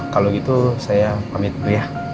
kalau gitu saya pamit dulu ya